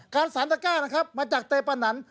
การสร้างตะก้านะครับมาจากเตยปานัน